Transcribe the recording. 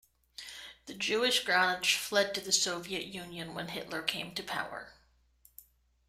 The Jewish Granach fled to the Soviet Union when Hitler came to power.